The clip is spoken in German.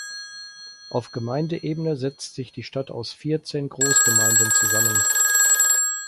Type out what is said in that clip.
Auf Gemeindeebene setzt sich die Stadt aus vierzehn Großgemeinden zusammen.